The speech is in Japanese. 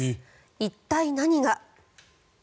一体、何が。